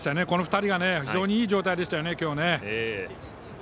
この２人が非常にいい状態でしたよね、きょうね。